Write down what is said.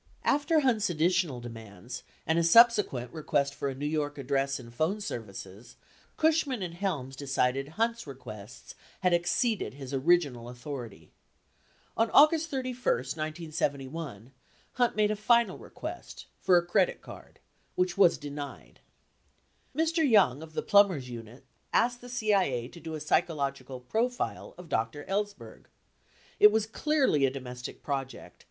31 After Hunt's additional demands and a subsequent request for a New York address and phone services, Cushman and Helms decided Hunt's requests had exceeded his original authority. On August 31, 1971, Hunt made a final request, for a credit card, which was denied. 32 Mr. Young of the Plumbers unit asked the CIA to do a psychologi cal profile of Dr. Ellsberg. It was clearly a domestic project!